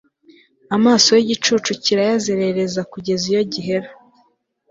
amaso y'igicucu kirayazerereza kugeza iyo gihera